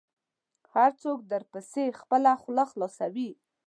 هر څوک درپسې خپله خوله خلاصوي .